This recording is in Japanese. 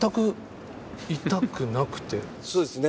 そうですね。